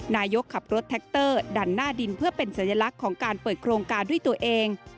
นายกขับรถแท็กเตอร์ดันหน้าดินเพื่อเป็นสัญลักษณ์ของการเปิดโครงการด้วยตัวเอง